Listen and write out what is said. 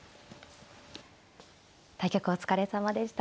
対局お疲れさまでした。